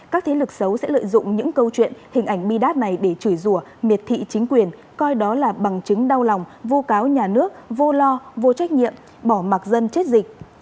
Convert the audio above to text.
các thế lực xấu sẽ lợi dụng những câu chuyện hình ảnh bi đát này để chửi rùa miệt thị chính quyền coi đó là bằng chứng đau lòng vô cáo nhà nước vô lo vô trách nhiệm bỏ mặc dân chết dịch